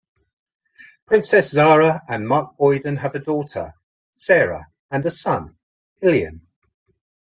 Princess Zahra and Mark Boyden have a daughter, Sara, and a son, Iliyan.